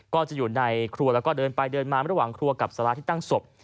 ก็จะอยู่ในครัวแล้วก็เดินไปเดินมาระหว่างครัวกับสาราที่ตั้งศพ